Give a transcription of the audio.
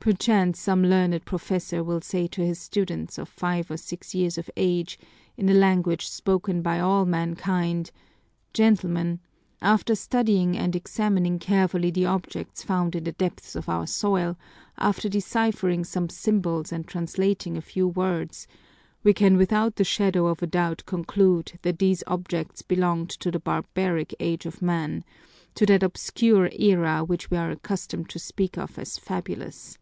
Perchance some learned professor will say to his students of five or six years of age, in a language spoken by all mankind, 'Gentlemen, after studying and examining carefully the objects found in the depths of our soil, after deciphering some symbols and translating a few words, we can without the shadow of a doubt conclude that these objects belonged to the barbaric age of man, to that obscure era which we are accustomed to speak of as fabulous.